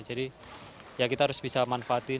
jadi ya kita harus bisa manfaatin